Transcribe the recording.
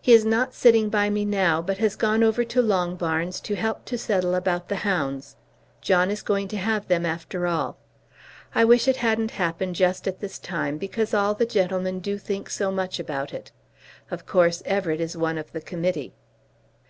He is not sitting by me now but has gone over to Longbarns to help to settle about the hounds. John is going to have them after all. I wish it hadn't happened just at this time because all the gentlemen do think so much about it. Of course Everett is one of the committee.